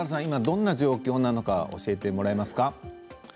今どんな状況なのか教えてもらえますか。